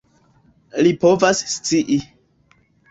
Li povas scii.